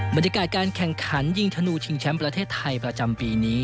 บรรยากาศการแข่งขันยิงธนูชิงแชมป์ประเทศไทยประจำปีนี้